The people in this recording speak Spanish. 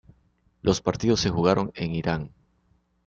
Los partidos se jugaron en Irán.